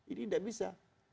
ini tidak bisa